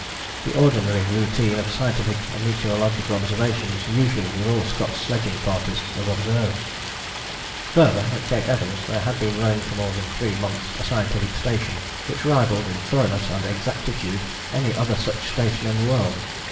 The ordinary routine of scientific and meteorological observations usual with all Scott's sledging parties was observed. Further, at Cape Evans there had been running for more than three months a scientific station, which rivalled in thoroughness and exactitude any other such station in the world.